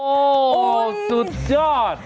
โอ้โหสุดยอด